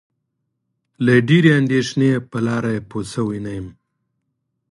له ډېرې اندېښنې په لاره پوی شوی نه یم.